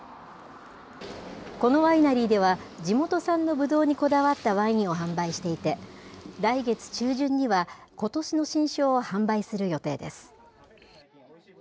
このワイナリーでは、地元産のぶどうにこだわったワインを販売していて、来月中旬には、ことしの新酒を販売する予定です。